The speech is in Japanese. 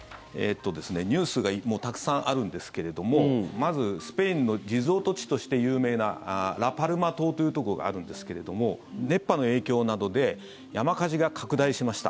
ニュースがたくさんあるんですけれどもまずスペインのリゾート地として有名なラ・パルマ島というところがあるんですが熱波の影響などで山火事が拡大しました。